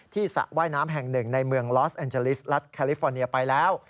สระว่ายน้ำแห่งหนึ่งในเมืองลอสแอนเจลิสรัฐแคลิฟอร์เนียไปแล้ว